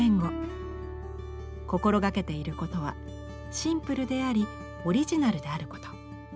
心掛けていることはシンプルでありオリジナルであること。